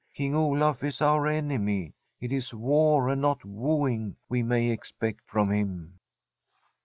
King Olaf is our enemy. It is war and not wooing we may expect from him.'